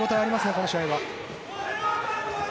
この試合は。